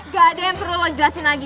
gak ada yang perlu lo jelasin lagi